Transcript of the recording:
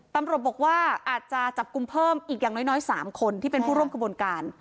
ตำรวจบอกว่าอาจจะจับกลุ่มเพิ่มอีกอย่างน้อย๓คนที่เป็นผู้ร่วมขบวนการ